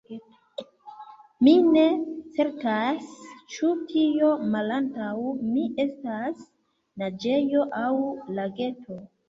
Mi ne certas ĉu tio, malantaŭ mi, estas naĝejo aŭ lageto.